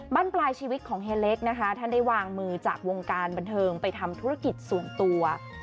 บ้านปลายชีวิตของเฮเล็กนะคะท่านได้วางมือจากวงการบันเทิงไปทำธุรกิจส่วนตัว